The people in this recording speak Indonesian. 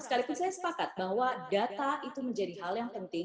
sekalipun saya sepakat bahwa data itu menjadi hal yang penting